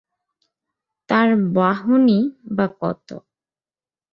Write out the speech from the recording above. তার বাহনই বা কত!